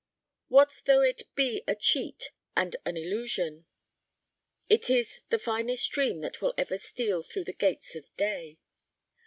What though it be a cheat and an illusion, it is the finest dream that will ever steal through the gates of day.